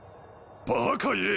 バカ言え！